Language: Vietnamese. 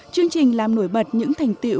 chương trình làm nổi bật những thành tiệu